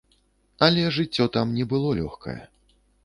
Але жыццё там не было лёгкае.